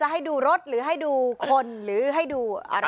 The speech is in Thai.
ให้ดูรถหรือให้ดูคนหรือให้ดูอะไร